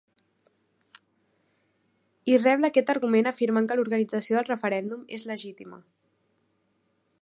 I rebla aquest argument afirmant que l’organització del referèndum és ‘legítima’.